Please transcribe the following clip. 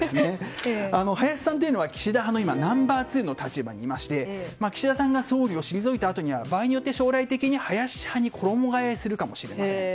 林さんは岸田派のナンバー２の立場にいまして岸田さんが総理を退いた場合には場合によっては、将来的に林派に衣替えするかもしれません。